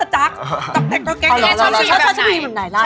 ใช่